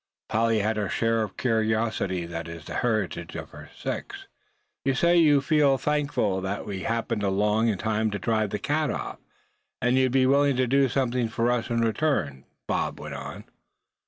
Polly had her share of the curiosity that is the heritage of her sex. "You say you feel thankful that we happened along in time to drive that cat off; and you'd be willing to do something for us in return?" Bob went on.